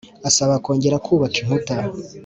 Asaba kongera kubaka inkuta